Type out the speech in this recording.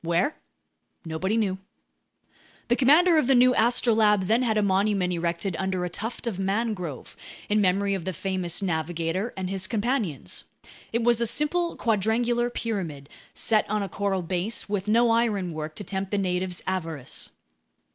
Where? Nobody knew. The commander of the new Astrolabe then had a monument erected under a tuft of mangrove, in memory of the famous navigator and his companions. It was a simple quadrangular pyramid, set on a coral base, with no ironwork to tempt the natives' avarice.